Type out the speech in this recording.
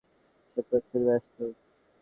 সে প্রচুর ব্যস্ত।